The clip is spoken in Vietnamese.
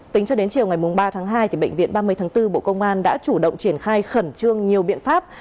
tính cho đến chiều ngày ba tháng hai bệnh viện ba mươi tháng bốn bộ công an đã chủ động triển khai khẩn trương nhiều biện pháp